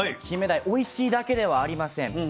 キンメダイおいしいだけではありません。